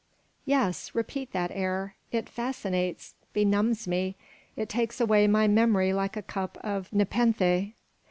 "Yes. Repeat that air; it fascinates, benumbs me, it takes away my memory like a cup of nepenthe.